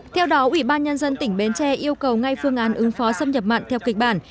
theo đó ủy ban nhân dân tỉnh bến tre yêu cầu ngay phương án ứng phó xâm nhập mặn theo kịch bản